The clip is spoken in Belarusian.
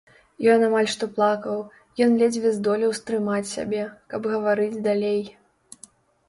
Ён амаль што плакаў, ён ледзьве здолеў стрымаць сябе, каб гаварыць далей.